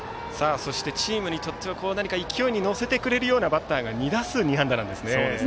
そしてチームにとっては勢いに乗せてくれるようなバッターが２打数２安打ですね。